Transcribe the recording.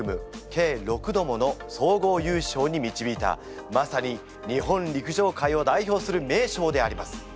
計６度もの総合優勝に導いたまさに日本陸上界を代表する名将であります。